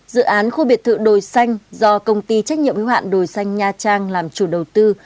dự án khu biệt thự đồi xanh do công ty trách nhiệm hữu hạn đồi xanh nha trang làm chủ đầu tư